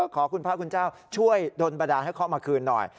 ขอคุณพระคุณเจ้าช่วยดนบดาลให้เขามาคืนหน่อย